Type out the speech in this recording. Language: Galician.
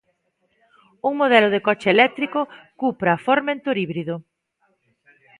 Un modelo de coche eléctrico, Cupra Formentor híbrido.